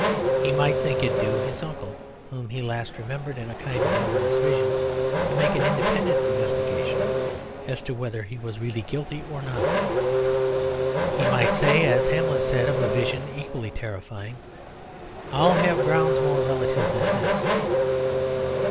He might think it due to his uncle (whom he last remembered in a kind of murderous vision) to make an independent investigation as to whether he was really guilty or not. He might say, as Hamlet said of a vision equally terrifying, "I'll have grounds more relative than this."